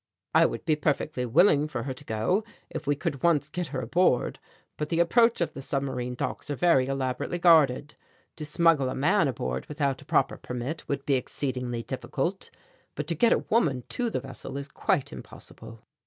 I would be perfectly willing for her to go if we could once get her aboard, but the approach of the submarine docks are very elaborately guarded. To smuggle a man aboard without a proper permit would be exceedingly difficult, but to get a woman to the vessel is quite impossible."